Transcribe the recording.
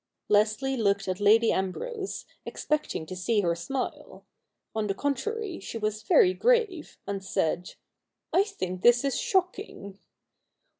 Leslie looked at Lady Ambrose, expecting to see her smile. On the contrary she was very grave, and said, ' I think this is shocking.'